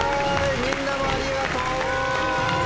みんなもありがとう！